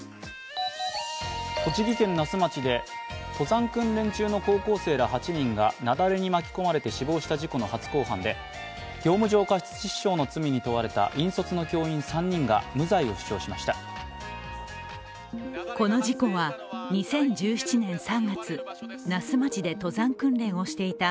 栃木県那須町で登山訓練中の高校生ら８人が雪崩に巻き込まれて死亡した事故の初公判で業務上過失致死傷の罪に問われた引率の教員３人が無罪を主張しました。